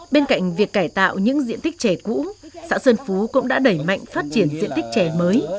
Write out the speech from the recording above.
bên cạnh việc cải tạo những diện tích chè cũ xã sơn phú cũng đã đẩy mạnh phát triển diện tích chè mới